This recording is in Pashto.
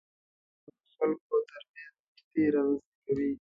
ژبه د خلکو ترمنځ دوستي رامنځته کوي